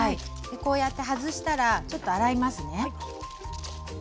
こうやって外したらちょっと洗いますね。